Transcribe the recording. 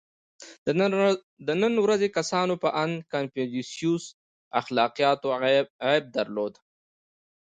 • د نن ورځې کسانو په اند کنفوسیوس اخلاقیاتو عیب درلود.